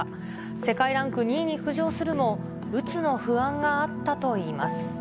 世界ランク２位に浮上するも、うつの不安があったといいます。